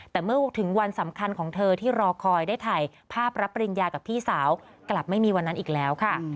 แต่เมื่อถึงวันสำคัญของเธอที่รอคอยได้ถ่ายภาพรับปริญญากับพี่สาวกลับไม่มีวันนั้นอีกแล้วค่ะ